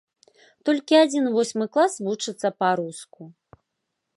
Толькі адзін восьмы клас вучыцца па-руску.